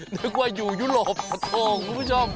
นึกว่าอยู่ยุโรปโอ้โหคุณผู้ชม